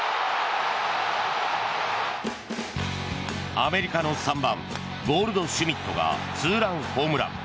アメリカの３番、ゴールドシュミットがツーランホームラン。